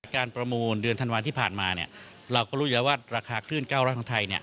การประมูลเดือนธันวาลที่ผ่านมาเราก็รู้อยู่แล้วว่าราคาคลื่น๙๐๐ของไทย